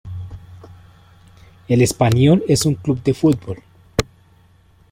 El Espanyol es un club de fútbol.